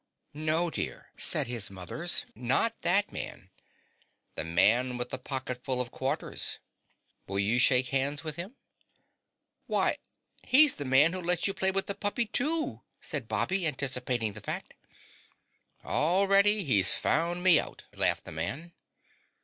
"No, dear," said his mothers, "not that man The Man with the Pocketful of Quarters. Will you shake hands with him?" "Why he's the Man Who Lets You Play with the Puppy, too!" said Bobby, anticipating the fact. "Already he's found me out!" laughed the man.